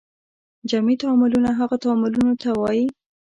جمعي تعاملونه هغه تعاملونو ته وایي.